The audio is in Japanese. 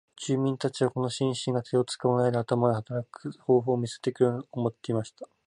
人民たちはこの紳士が手を使わないで頭で働く方法を見せてくれるものと思っていました。